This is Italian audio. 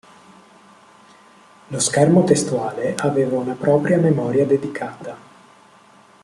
Lo schermo testuale aveva una propria memoria dedicata.